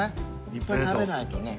いっぱい食べないとね。